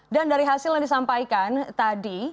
dan dari hasil yang disampaikan tadi